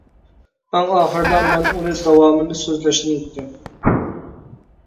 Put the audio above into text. ئەڭ ئاخىرىدا مەن ئۇنى داۋامىنى سۆزلەشنى ئېيتتىم.